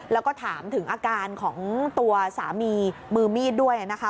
แล้วก็ถามถึงอาการของตัวสามีมือมีดด้วยนะคะ